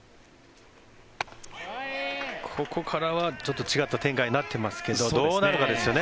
ここからはちょっと違った展開になってますけどどうなるかですよね。